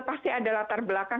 pasti ada latar belakang